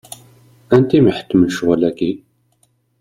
Anti i m-iḥettmen ccɣel-agi?